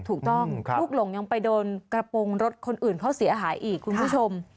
ถูกต้องลูกหลงยังไปโดนกระโปรงรถคนอื่นเขาเสียหายอีกคุณผู้ชม